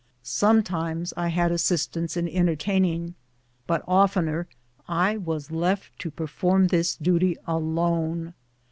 Some times I had assistance in entertaining, but of tener I was left to perform this duty alone.